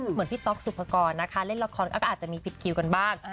เหมือนพี่ต๊อกสุภกรนะคะเล่นละครก็อาจจะมีผิดคิวกันบ้าง